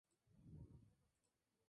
El Milagro.